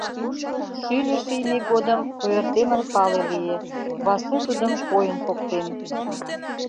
Шӱльӧ шийме годым ойыртемын пале лие: Васу тудым койын поктен.